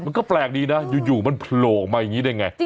มันก็แปลกดีนะอยู่มันโผล่ออกมาอย่างนี้ได้ไง